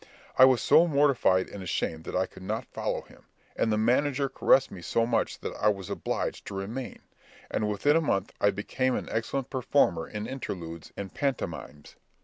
I was so mortified and ashamed that I could not follow him, and the manager caressed me so much that I was obliged to remain; and within a month I became an excellent performer in interludes and pantomimes.